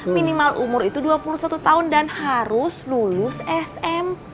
minimal umur itu dua puluh satu tahun dan harus lulus smp